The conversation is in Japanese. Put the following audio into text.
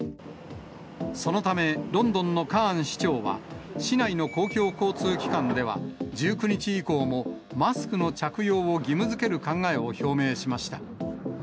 そのため、ロンドンのカーン市長は、市内の公共交通機関では、１９日以降も、マスクの着用を義務づける考えを表明しました。